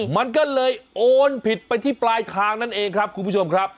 มันก็เลยโอนผิดไปที่ปลายทางนั่นเองครับคุณผู้ชมครับ